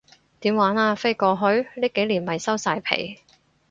點玩啊，飛過去？呢幾年咪收晒皮